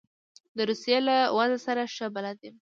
د روسیې له وضع سره ښه بلد یم.